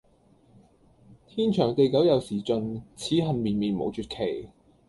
天長地久有時盡，此恨綿綿無絕期！